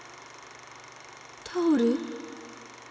タオル？